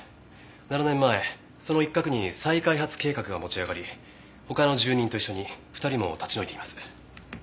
７年前その一角に再開発計画が持ち上がり他の住人と一緒に２人も立ち退いています。